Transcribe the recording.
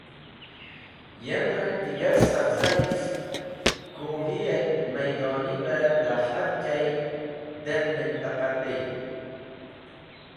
Yem rang digar savziyisht, kuhi et maydoni be har jay dem mintiqah tey.